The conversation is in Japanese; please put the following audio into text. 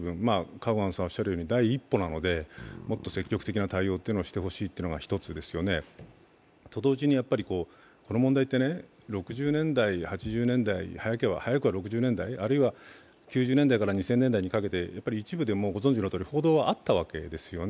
カウアンさんおっしゃるように第一歩なので、もっと積極的な対応をしてほしい。と同時に、この問題って６０年代、８０年代、早くは６０年代、９０年代、２０００年代に一部でご存じのとおり報道はあったわけですね。